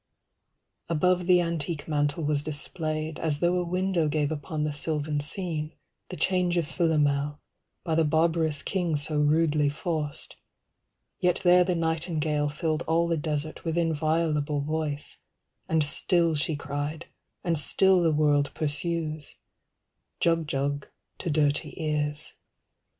Above the antique mantel was displayed As though a window gave upon the sylvan scene The change of Philomel, by the barbarous king So rudely forced; yet there the nightingale 100 Filled all the desert with inviolable voice And still she cried, and still the world pursues, "Jug Jug" to dirty ears.